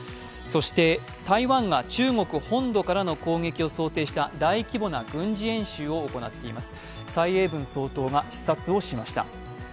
そして、台湾が中国本土からの攻撃を想定した大規模な軍事演習を行っています。